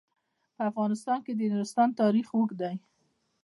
په افغانستان کې د نورستان تاریخ اوږد دی.